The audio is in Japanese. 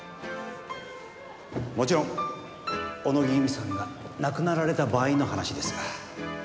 もちろん小野木由美さんが亡くなられた場合の話ですが。